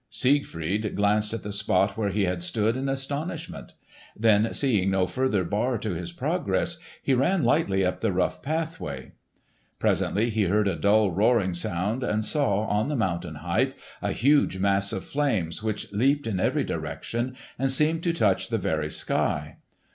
Siegfried glanced at the spot where he had stood, in astonishment. Then seeing no further bar to his progress, he ran lightly up the rough pathway. Presently he heard a dull roaring sound and saw, on the mountain height, a huge mass of flames which leaped in every direction and seemed to touch the very sky.